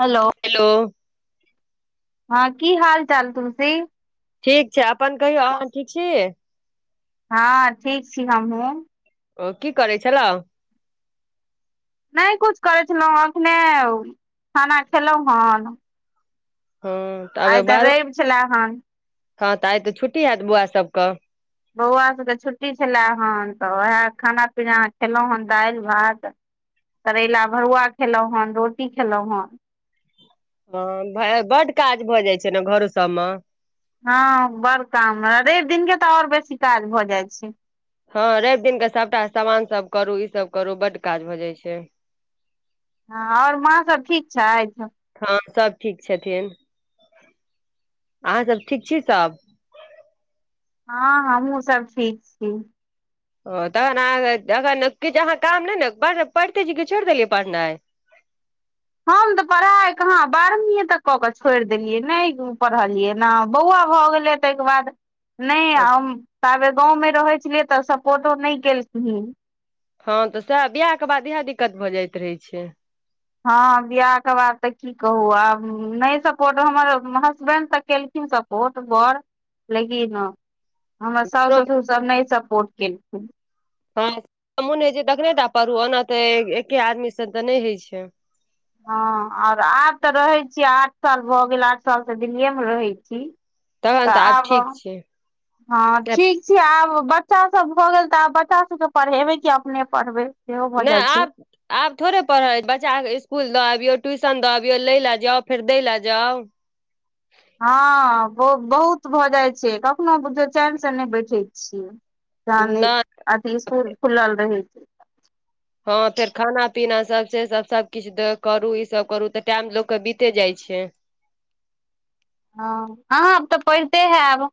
Hello. Hello. हँ कि हाल चाल तुसी ठीक छै अपन कहियौ अह ठीक छी। हँ ठीक छी हमहूँ ओ कि करै छल नहि कछु करै छलहुँ एखने खाना खेलहुँ हेन। [unintelligible] आइ तऽ रैव छलै हेन हं तऽ आइ तऽ छुट्टी हैत बौआ सब कऽ बौआ सभ केँ छुट्टी छले हेन तऽ उहै खाना पीना खेलौ हन दाइल भात करैला भरुआ खेलौ हन रोटी खेलौ हन ह भै बड काज भऽ जाइ छै न घरो सब म हँ बड़ काम रैव दिनकेँ तऽ औरबेसी काज भऽ जाइ छै हं रवि दिन कऽ सभटा सामान सब करू ई सब करू बड काज भऽ जाइ छै हँ और माँ सभ ठीक छैथ हँ सब ठीक छथिन [inaudible] अहाँ सब ठीक छी सब हँ हमहुँ सब ठीक छी ओ तखन अहाँ तखन किछ अहाँ काम नै न पढ़ पढ़िते छी कि छोड़ देलियै पढ़नाइ हम तऽ पढ़ाइ कहाँ बारहमीए तक कऽ कऽ छोड़ देलियै नै पढ़लियै न बौआ भऽ गेलै तैइ केँ बाद नै हम तबे गाँवमे रहैत छलियै तऽ सपोर्टो नै केलखिन हँ तऽ सेह बियाह केँ बाद इहै दिक्कत भऽ जाइत रहैत छै हँ बियाह कऽ बाद तऽ की कहू आब नै सपोर्ट हमर हसबेंड तऽ केल खिन सपोर्ट बर लेकिन हमर साास हमरो ससुर सब नै सपोर्ट केलखिन हँ मोन होइ छै तखने टा पढ़ू ओना तऽ एके आदमी से तऽ नै होइ छै हँ और आब तऽ रहै छी आठ साल भए गेल आठ साल तऽ दिल्लीे में रहैत छी तऽ तखन आब ठीक छै [inaudible] हँ नहि ठीक छै आब बच बच्चा सब भऽ गेल तऽ आब बच्चा सब केँ पढ़ेबै कि अपने पढ़बै सेहो भऽ नै जाइ छै आब आब थोड़े पढ़ल बच्चा कऽ इसकुल दऽ अबियो ट्यूशन दऽ अबियो लैल जाउ फेर दय लए जाउ हँ बहुत भऽ जाइत छै कखनो बुझौ चाइन स नै बैठे छियै जानै नहि अथि इसकुल खुलल रहै छै हँ फेर खाना पीना सब से सब सब किछ करू ई सब करू तऽ टाइम लोक केँ बीते जाइ छै हँ अहाँ आब तऽ पढ़िते हैब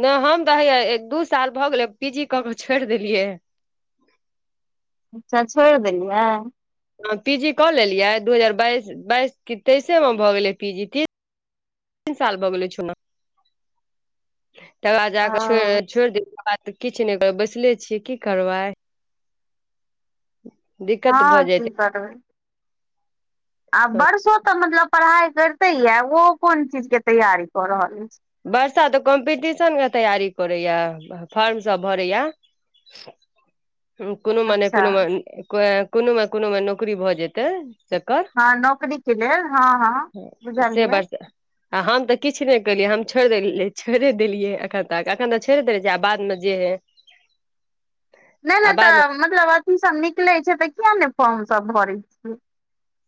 नै हम तऽ हेय दू साल भऽ गेलै पीजी कऽ कऽ छोड़ देलियै अच्छा छोड़ देलियै ह पीजी कऽ लेलियै दू हजार बाइस बाइस तेइसे में भऽ गेलै पीजी ती तीन साल भऽ गेले छु ना तकर बाद जाक छोड़ छोड़ दियौ बाद किछ नै करब बैसले छियै की करबै दिक्कत भऽ हं जाइत की करबैय आ हँ वर्षो तऽ मतलब पढ़ाई करिते य ओ कोन चीज केँ तैयारी कऽ रहल अछि वर्षा तऽ कम्पीटिशन केँ तैयारी करैया फॉर्म सब भरैया [inaudible] कोनो मेने अच्छा कोनो कोनो मे कोनो मे नौकरी भऽ जेतै से कर हँ नौकरी के लेल हँ हँ [inaudible] से बुझलियै आ हम तऽ किछ नै केलियै हम छोड़ देलै छोड़ देलियै एखन तक एखन तक छोड़े देले छै आ बाद मे जे हे नै नै तऽ मतलब अथी सब निकलै छै तऽ किया नै फॉर्म सब भरै छिय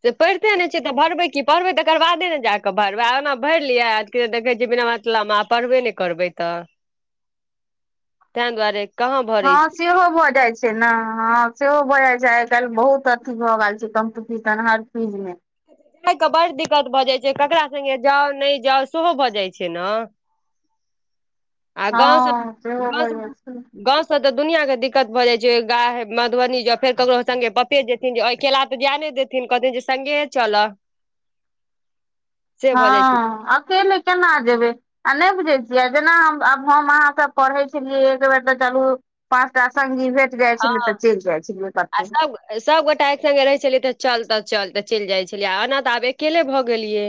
से पढ़िते नै छियै तऽ भरबै क पढ़बै तकर बादे न जा कऽ भरबै ओना भरि लियै [unintelligible] देखै छी बिना मतलब आब पढ़बे नइ करबै तऽ [inaudible] तें द्वाआरे हँ सेहो भज जाइ छै छैन ह सेहो भऽ जा छै आइ काइल बहुत अथी भऽ गेल छै कम्पिटिशन हर चीज मे घुमय क बड़ दिक्कत भऽ जाइ छै ककरा सङ्गे जाउ नइ जाउ सेहो भऽ जाइ छै न आ [inaudible] हँ गाँव सब [inaudible] सेहो गाँव भऽ सब जाइ छै [inaudible] गाँव सब से तऽ दुनिया के दिक्कत भ जाइ छै गाय मधुबनी जाउ फेर ककरो सङ्गे पप्पे जेथिन जें अकेला तऽ जाय ने देथिन थिन कथिन जे संगे चल [inaudible] भऽ जाइ छै हँ अकेले केना जेबै आ नइ बुझै छियै जेना हम आब हम अहाँसँ पढ़ै छलियै एक बेेर तऽ चलू पाँचटा संगी भे हँ आ सब सभ गोटा एक संगे रहै छलियै तऽ चल तऽ चल तऽ चैल जाइ छलियै आ ओना तऽ आब अकेले भऽ गेलियै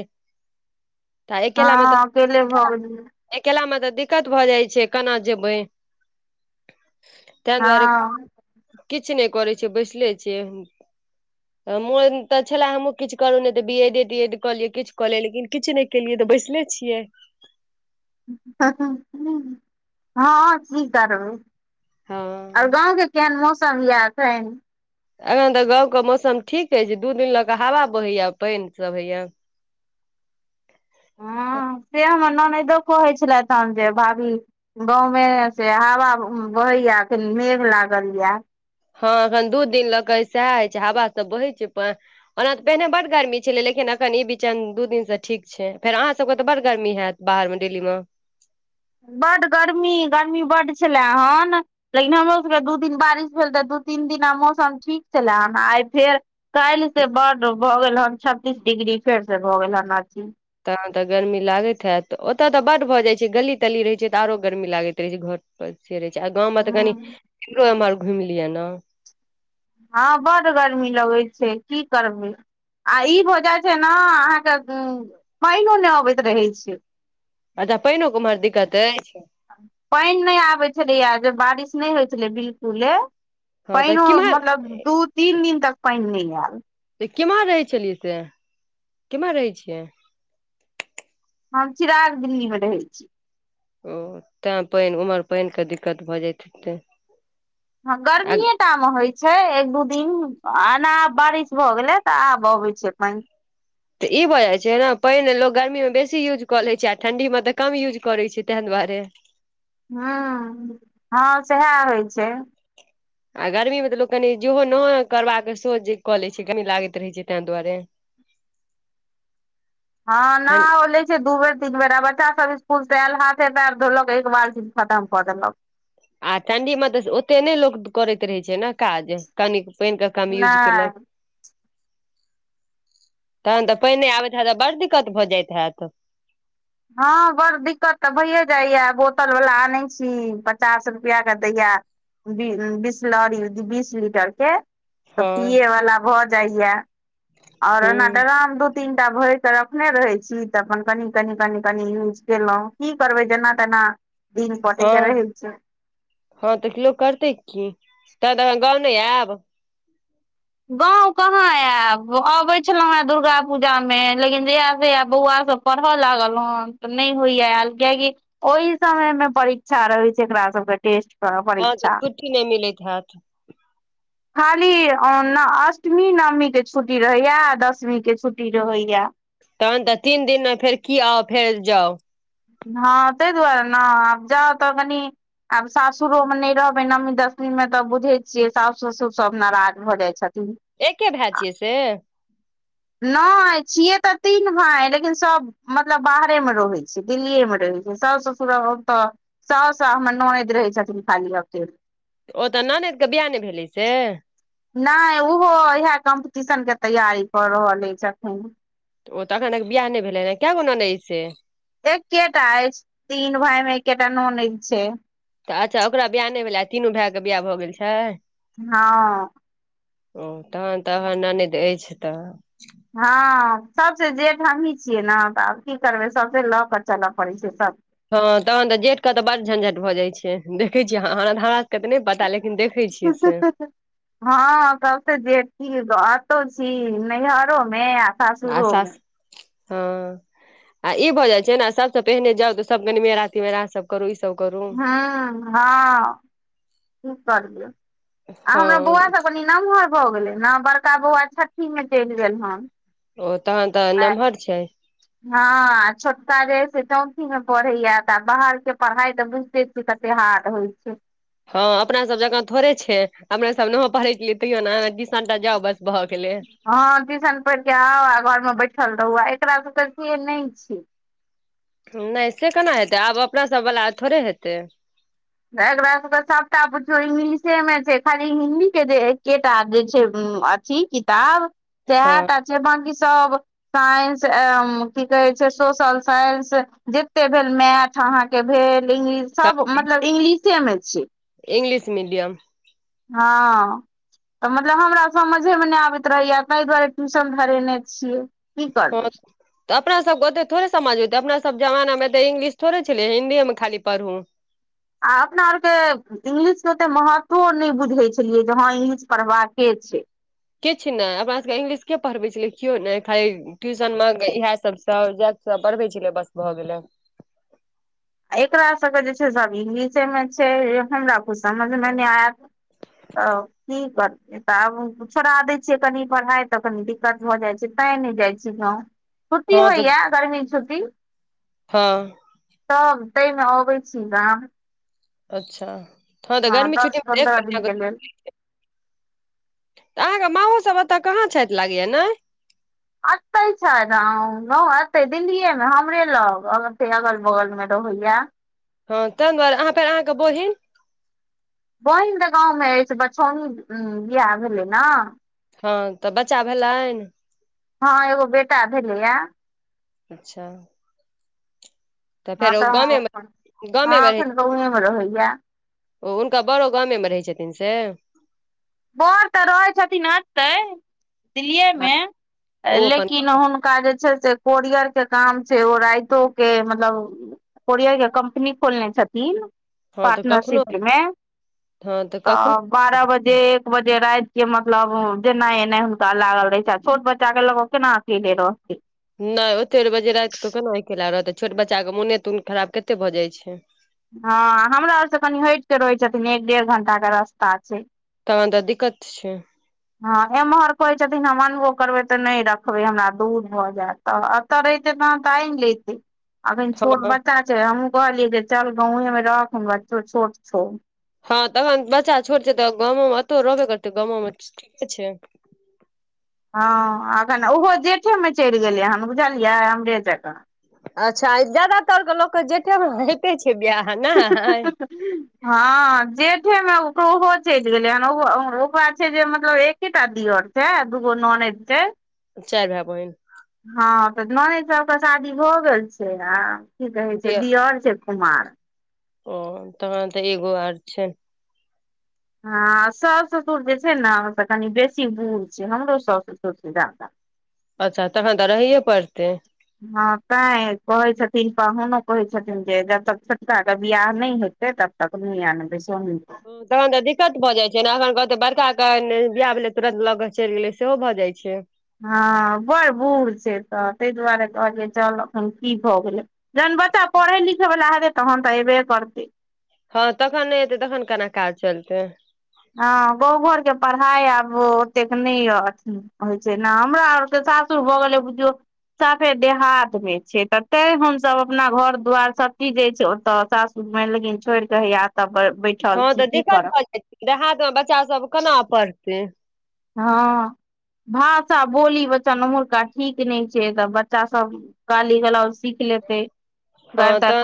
तऽ हँ अकेला मे तऽ अकेले भऽ गेलिये अकेला में तऽ दिक्कत भए जाइ छै केना जेबै तें दुआरे हँ किछ नइ करेय छिय बैसले छियै [inaudible] त मन तऽ छल हमूँ किछ करू ने तऽ बी एड ती एड कऽ लियै किछ क लिए लेकिन किछु नइ केे लिए तऽ बैसले छियै [unintelligible] आब हँ गाँंव के केहन मौसम या एखेन एखन तऽ गाँव के मौसम ठीक एछ दू दिन लऽ कऽ हवा बहया पैन सभ होैया हँ से हमर ननैदो कहै छला तहन जे भाभी गाँवमें से हाबा बहयये अखन मेघ लागल या हँ एखन दू दिन लऽक सेहा होइ छै हवा सब बहै छै पर ओना तऽ पहिने बड़ गर्मी छले लेकिन अखन ई बीचे दू दिन से ठीक छै फेर अहाँ सबके तऽ बड़ गर्मी हैत बाहरम डिल्ली म बड गर्मी गर्मी बड छलै हन लेकिन हमरो सभके दू दिन बारिश भेल तऽ दू तीन दिना मौसम ठीक छलै हन आइ फेर काइल से बड भऽ गेल हन छत्तीस डिग्री फेर से भऽ गेल हन अथी तहन तऽ गर्मी लागैत हैत ओतय तऽ बड़ भऽ जाइत छै गली तली रहैत छै तऽ आरो गर्मी लागैत रहै छै घर [unintelligible] से रहै छै गाँव मे तऽ कनि हँ इम्हरो आमहर घुइम लिय न हँ बड गर्मी लगै छै की करबै आ ई भऽ जाइ छै न अहाँके पाइनो नय अबैत रहैत छै अच्छा पइनो क उमहर दिक्कत ऐछ पैन नइ आबैत छलैया जब बारिश नइ होइ छलै बिलकुले हँ तऽ पैनो केम्हर मतलब दू तीन दिन तक पैन नइ आयल त किमहर रहै छलियै से किमहर रहै छियै हम चिराग दिल्ली मे रहै छी ओ तैं पइन उमहर पइन के दिक्कत भऽ जाइत हेते हाँ गर्मीये टा म होइ छै एक दू दिन आना आब बारिश भऽ गेलै तऽ आब अबै छै पइन तऽ ई भऽ जायछै ने पइन लोग गर्मी मे बेसी यूज कऽ लै छै आ ठंडी मे तऽ कम यूज करै छै तैंह दुआरे ह हाँ सेहा होइ छै आ गर्मी मे तऽ लोक कनु जेहो नय करबाक सेहो जे कऽ लै छै गर्मी लागैत रहै छै तैं दुआरे हाँ नहाओ लैत छै दू बेर तीन बेर आ बच्चा सब स्कुल से आयल हाथे पैर धोलक एक बाल्टि खतम कऽ देलक आ ठंडी मे तऽ ओते नै लोक करैत रहे छै ने काज कनिक पैन के कम यूज नहि केलक तहन तऽ पैने आबैत हैत तऽ बड़ दिक्कत भऽ जाइत हैत। हँ बड़ दिक्कत तऽ भैए जाइए बोतल वाला आनै छी पचास रुपैया के दैये बीस बिसलरी बीस लीटर के तऽ हँ पिये वाला भऽ जाइये। आओर हूँ ओना तऽ ड्राम दु तीनटा भैरि कऽ रखने रहै छी तऽ अपन कनि कनि कनि कनि यूज केलौं की करबै जेना तेना दिन कटै हँ के रहै छै। हँ तऽ लोक करतै की तऽ एखन गाँव नय आयब गाँव कहाँ आयब अबै छलौं हेँ दुर्गा पूजामे लेकिन जहिया से हैये बौआ सब पढ़ऽ लागल हन तऽ नय होइये एल कियेकी ओहि समय मे परीक्षा रहै छै एकरा सबके टेस्ट पर तहन तऽ परीक्षा छुट्टी नहि मिलैत हैत खाली ओना अष्टमी नवमी के छुट्टी रहैये आ दसमीं के छुट्टी रहैये तहन तऽ तीन दिन मे फेर की आउ फेर जाउ हँ तै दुआरे न आब जाउ तऽ कनी आब सासुरोमे नय रहबै नवमी दशमीमे तऽ बुझै छियै साउस ससुर सभ नाराज भऽ जाइ छथिन। एके भेय छियै से नय छियैे तऽ तीन भाय लेकिन सब। मतलब बाहरेमे रहै छै दिल्लीयेमे रहै छै साउस ससुर आओर ओतऽ साउस आ हमर ननजद रहै छथिन खाली हप्ते मे ओ तऽ ननैद के बियाह नय भेलै से नय उहो इहे कम्पीटिशन के तैयारी कऽ रहल अछि एखन। ओ तऽ अखन तक बियाह नय भेलै ने कै गो ननैद से एकेटा अछि तीन भाय मे एकेटा ननैद छै। तऽ अच्छा ओकरा बियाह नय भेलैये आ तीनू भाइ के बियाह भऽ गेल छै। हँ ओ तहन तऽ हन ननद अछि तऽ हँ सबसे जेठ हमहीं छियै न तऽ आब की करबै सभसे लऽ कऽ चलय पड़ै छै सभ हँ तहन तऽ जेठ के तऽ बड्ड झंझट भऽ जाय छै देखै छियै हमरा सब के तऽ नय पता लेकिन देखै छियै से [inaudible] हँ सबसँ जेठकी अतौ छी नैहरोमे आ आ सासुरो मे सासुर हँ आ ई भऽ जाइ छै ने सबसँ पहिने जाउ तऽ सब गनिमेरा तिमेरा सब करू ई सब करू हँ हँ की करियै आ हमरा बौआ हँ सब कनी नम्हर भऽ गेलै न बड़का बौआ छ्ठी मे चलि गेल हन ओ तहन तऽ आ नम्हर छै हँ आ छोटका जे है से चौठीमे पढ़ैये तऽ बाहर के पढ़ाइ तऽ बुझिते कते हार्ड होइ छै। हँ अपना सब जकाँ थोड़े छै अपने सब नहो पढ़ै छलियै तैयो ने टिशनटा जाउ बस भऽ गेलै। हँ ट्यूशन पढ़ के आउ आ घर मे बैठल रहु आ एकरा सबके से नहि छैय। नहि से केना हेतै आब अपना सभ वला थोड़े हेतै। एकरास सभके सभटा बुझियौ इंग्लिशेमे छैय खाली हिन्दीके जे एकेटा जे छैय अ छी किताब हँ सएहटा छैय बाँकी सब साइंस की कहै छैय सोशल साइंस जतेक भेल मैथ अहाके भेल इंग्लिश सब इंग्लिश मे छैय। इंग्लिश मीडियम हँ तऽ मतलब हमरा समझेमे नहि आबैत रहैया ताहि दुआरे ट्यूशन धरेने छियै। की करबै हँ तऽ अपना सबके ओत थोड़े समझ होतै अपना सब जमाना मे तऽ इंग्लिश थोड़े छल हिन्दीए मे खाली पढ़ू। आ अपना आरके इंग्लिशके ओते महत्व नहि बुझैत छलियै जे हँ इंगलिश पढ़बाके छैय। किछु नहि अपना सबके इंग्लिश के पढ़बै छलै केओ नहि खाली ट्यूशनमे इएह सब सब जा पढ़बै छले बस भऽ गेले। आ एकरा सबके जे छैय सब इंगलिशेमे छैय हमरा ओ समझमें नहि आयत त की कर तऽ आब छोड़ा दै छियै कनि पढ़ाई तऽ कनी दिक्कत भऽ जाइ छैय ते नहि जाइ छीयै गाँव। छुट्टी हँ तऽ होइया गर्मी छुट्टी? हँ तब ताहिमे अबै छी गाम। अच्छा हँ तऽ गर्मी दस छुट्टीमें त एक पन्द्रह दिन महीना लेल के [unintelligible] तऽ अहाँके माहो सब ओतय कहाँ छैथ लगैया ने? एतय छैथ एते दिल्लीए मे हमरे लग अगल बगल मे रहैया। हँ ताहि दुआरे अहाँ फेर अहाँके बोहिन? बहिन तऽ गाँवमे अछि बछौनी बिआाह भेलै ने। हँ तऽ बच्चा भेलनि? हँ एगो बेटा भेलैया। अच्छा हँ फेर ओ तऽ गामेमे हँ गामेमे रहै एखन गांवमे रहैया। ओ हुनका बड़ो गामे मे रहै छथिन से? बर तऽ रहै छथिन एतय दिल्लीए आ मे ओ अपन लेकिन हुन का जे छैय से कोरियर के काम छैय ओ राइतो के मतलब कोरियरके कम्पनी खोलने छथिन। हँ तऽ कखनो पार्टनरशिपमे हँ कखनो तऽ बारह बजे बजे रातिके मतलब जेना एना हुनका लागल रहे छैय छोट बच्चा के लगो केना अकेले रहतय। नहि ओते बजे राति कऽ केना अकेला रहतै छोट बच्चा के मोने तोन खराब कते भऽ जाइ छैय। हँ हमरा आर से कनि हटीके रहै छथिन एक डेढ़ घंटाके रास्ता छैय। तहन तऽ दिक्कत छैय। हँ एम्हर कहैत छथिन हम अनबो करबै तऽ नहि रखबै हमरा दूर भऽ जायत। तऽ अतऽ रहितै त आइने लितै। अखन छोट हँ बच्चा छैय हमहूँ कहलियै जे चल गाँवमे रहखु बच्चो छोट छौ। हँ तखन बच्चा छोट छैय तऽ गामो मे एतो रहबे करतै गामों ठीके छैय। हँ अखन ओहो जेठेमे चढ़ि गेलै हन बुझलियै हमरे जकाँ। अच्छा जादातरके लोकके जेठेमे होेइते छैय बियाह ने। हँ जेठेमे ओहो चलि गेलै हन ओकरा छैय जे मतलब एक सेटा दिऔर छै दगो नोनेद छै चारि भाय बहिन। हँ तऽ मान सभके शादी भऽ गेल छै आ की कहै छै दिय दियर छै कुमार। ओ तहन तऽ एगो आ छै। हँ सास ससुर जे छै ने त कनि बेसी बूढ़ छै हमरो सास ससुर छै जादा अच्छा तखन तऽ रहैयए पड़तै। हँ तैं कहै छथिन पाहुनो कहै छथिन जे जब तक छोटका के वियाह नहि हेत तब तकमे आन बेस तखन तऽ दिक्कत भऽ जाइत छै ने एखन कहतै बड़काे विआह भेलै तुरंत लऽ क चलि गेलै सेहो भऽ जाइत छै हँ बड़ बूढ़ छै तऽ ताहि दुआरे कहलियै चल एखन कि भऽ गेलै जखन बच्चा पढ़ै लिखय वला हेतै तखन तऽ अयबे करतै। ह तखन नहि एतै तखन केना काज चलतै हँ गावो घर के पढ़ाइ आब ओतेक नहि य होइ छै ने हमरा आर के सा श सुभ गेलै बुझिय साफे देहात मे छै तऽ ते हम सभ अपना घर दुवार सभ चीज जे छै ओत सास लेकिन छोड़ कऽ हय त ह तऽ दिक्कत भऽ जाय छै देाहथमे बच्चा सभ केना पढ़तै ह भाषा बोली बच्चा ओमहरका ठीक नहि छै तऽ बच्चा सभ गाली गल सीख लेते हँ घर तर। तऽ